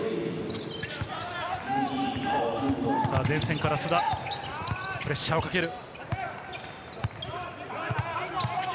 前線から須田、プレッシャーをかける。